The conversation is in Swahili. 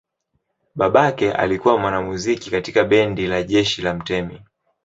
Babake alikuwa mwanamuziki katika bendi la jeshi la mtemi.